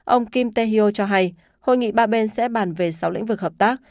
ông kim tae hyo cho hay hội nghị ba bên sẽ bàn về sáu lĩnh vực hợp tác